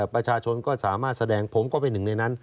ประชาชนก็สามารถแสดงผมก็เป็นหนึ่งในนั้น